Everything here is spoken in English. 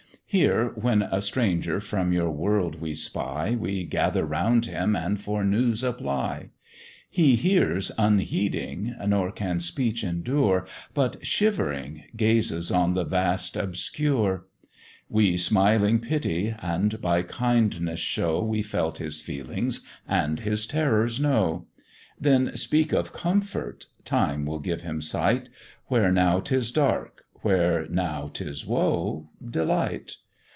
Here, when a stranger from your world we spy, We gather round him and for news apply; He hears unheeding, nor can speech endure, But shivering gazes on the vast obscure: We smiling pity, and by kindness show We felt his feelings and his terrors know; Then speak of comfort time will give him sight, Where now 'tis dark; where now 'tis woe delight.